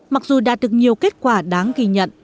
mặc dù đã được nhiều kết quả đáng ghi nhận